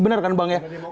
bener kan bang